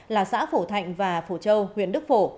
là xã phổ thạnh và phổ châu huyện đức phổ